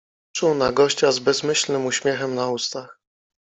Patrzył na gościa z bezmyślnym uśmiechem na ustach.